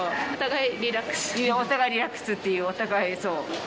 お互いリラッお互いリラックスっていう、お互い、そう。